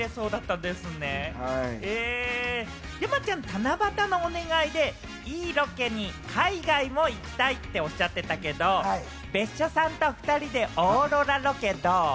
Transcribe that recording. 山ちゃん、七夕のお願いでロケに海外も行きたいっておっしゃってたけれども、別所さんと２人でオーロラロケどう？